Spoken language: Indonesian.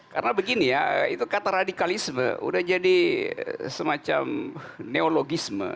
karena begini ya itu kata radikalisme sudah jadi semacam neologisme